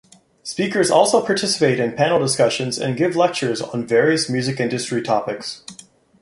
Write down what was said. Speakers also participate in panel discussions and give lectures on various music industry topics.